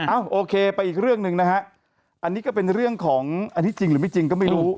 โอเคไปอีกเรื่องหนึ่งนะฮะอันนี้ก็เป็นเรื่องของอันนี้จริงหรือไม่จริงก็ไม่รู้